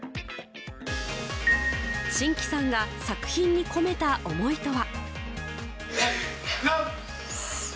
新木さんが作品に込めた思いとは。